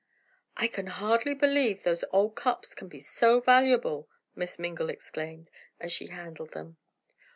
"I can hardly believe those old cups can be so valuable," Miss Mingle exclaimed, as she handled them.